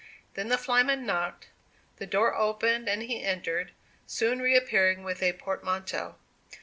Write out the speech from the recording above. Then the flyman knocked; the door opened, and he entered, soon reappearing with a portmanteau.